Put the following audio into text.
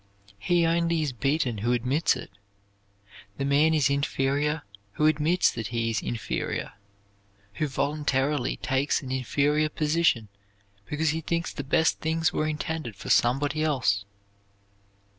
He only is beaten who admits it. The man is inferior who admits that he is inferior, who voluntarily takes an inferior position because he thinks the best things were intended for somebody else.